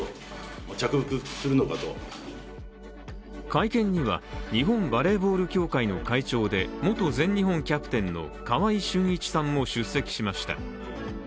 会見には、日本バレーボール協会の会長で、元全日本キャプテンの川合俊一さんも出席しました。